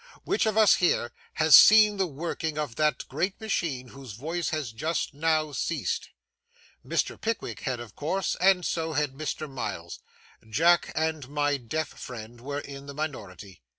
Which of us here has seen the working of that great machine whose voice has just now ceased?' Mr. Pickwick had, of course, and so had Mr. Miles. Jack and my deaf friend were in the minority.